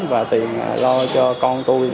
và tiền lo cho con tôi